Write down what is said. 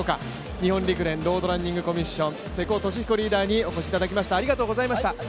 日本陸連ロードランニングコミッション、瀬古利彦リーダーにお越しいただきました。